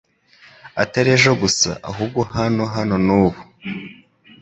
atari ejo gusa, ahubwo hano hano n'ubu.”